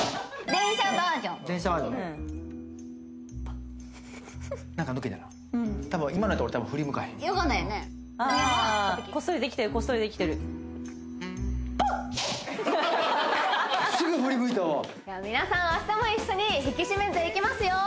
電車バージョンポウ何か抜けたなこっそりできてるこっそりできてるすぐ振り向いたわ皆さん明日も一緒に引き締めていきますよ